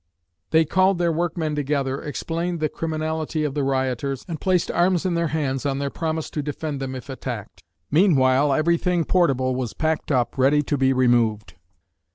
They called their workmen together, explained the criminally of the rioters, and placed arms in their hands on their promise to defend them if attacked. Meanwhile everything portable was packed up ready to be removed.